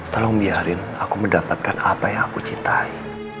tolong biarin aku mendapatkan apa yang aku cintai